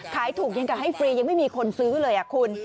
ขายถูกยังกับให้ฟรียังไม่มีคนซื้อเลยคุณ